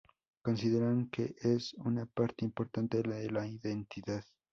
Consideran que es una parte importante de la identidad sij.